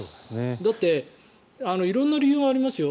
だって色んな理由がありますよ。